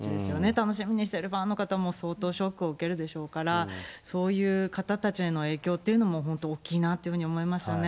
楽しみにしてるファンの方も相当ショックを受けるでしょうから、そういう方たちへの影響っていうのも本当、大きいなというふうに思いますよね。